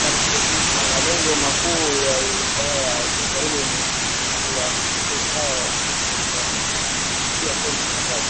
Malengo makuu ya Idhaa ya kiswahili ni kuhakikisha usawa wa kijinsia kwenye matangazo